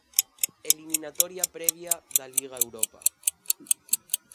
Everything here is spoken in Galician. Eliminatoria previa da Liga Europa.